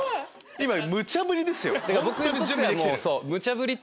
今むちゃぶりですよ。